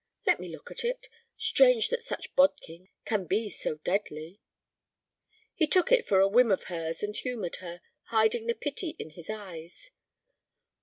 "Let me look at it. Strange that such bodkin can be so deadly." He took it for a whim of hers, and humored her, hiding the pity in his eyes.